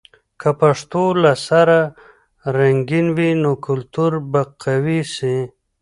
که پښتو له سره رنګین وي، نو کلتور به قوي سي.